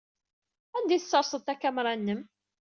Anda ay tessersed takamra-nnem?